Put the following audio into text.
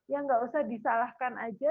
ya nggak usah disalahkan aja